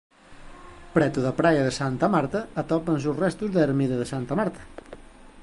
Preto da Praia de Santa Marta atópanse os restos da Ermida de Santa Marta.